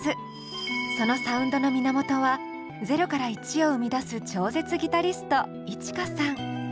そのサウンドの源は０から１を生み出す超絶ギタリストＩｃｈｉｋａさん。